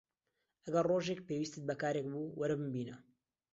ئەگەر ڕۆژێک پێویستت بە کارێک بوو، وەرە بمبینە.